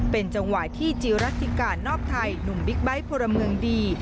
เป็นจังหวะที่จีรัติการนอบไทยหนุ่มบิ๊กไบท์พลเมืองดี